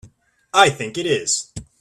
I think it is.